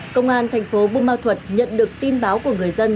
công an thành phố bù ma thuật nhận được tin báo của người dân